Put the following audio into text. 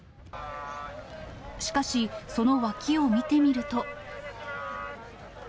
しかし、その脇を見てみると。